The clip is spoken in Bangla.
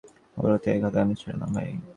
অবলাকান্ত, এ খাতাখানি ছেড়ো না ভাই!